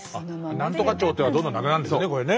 なんとか町っていうのがどんどんなくなるんですよね